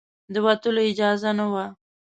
د وتلو اجازه نه وه.